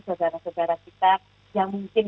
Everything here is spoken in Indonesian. saudara saudara kita yang mungkin